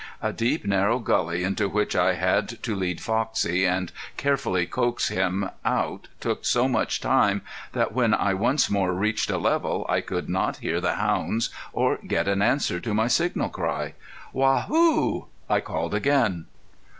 A deep, narrow gully into which I had to lead Foxie and carefully coax him out took so much time that when I once more reached a level I could not hear the hounds or get an answer to my signal cry. "Waa hoo!" I called again.